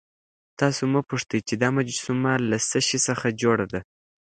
تاسو مه پوښتئ چې دا مجسمه له څه شي څخه جوړه ده.